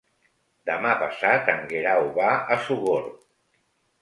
Demà passat en Guerau va a Sogorb.